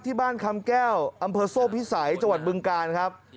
ที่บ้านคำแก้วอำเภอโซ่พิสัยจังหวัดบึงกาลครับ